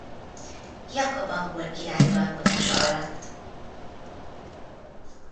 Jakab angol király uralkodása alatt.